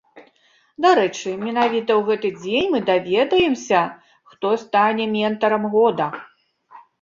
Дарэчы, менавіта ў гэты дзень мы даведаемся, хто стане ментарам года.